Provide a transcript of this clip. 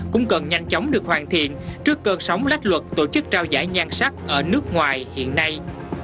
cũng cần nhanh chóng được hoàn thiện trước cơn sóng lách luật tổ chức trao giải nhan sắc ở nước ngoài hiện nay